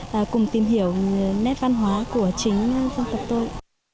và cùng tìm hiểu nét văn hóa của chính dân tộc tôi